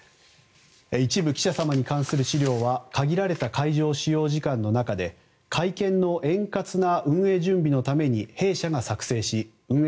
一部、記者様に関する資料は限られた会場使用時間の中で会見の円滑な運営準備のために弊社が作成し運営